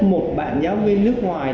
một bạn giáo viên nước ngoài